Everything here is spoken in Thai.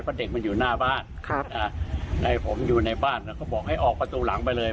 เพราะเด็กมันอยู่หน้าบ้านให้ผมอยู่ในบ้านเขาบอกให้ออกประตูหลังไปเลย